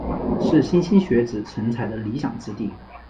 是莘莘学子成才的理想之地。